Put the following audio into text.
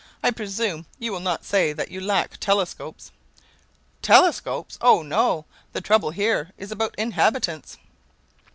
I presume you will not say that you lack telescopes?" "Telescopes? O no, the trouble here is about inhabitants!"